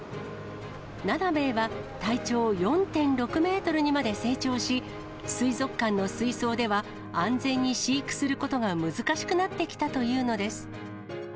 ナナベエは体長４．６メートルにまで成長し、水族館の水槽では安全に飼育することが難しくなってきたというのです。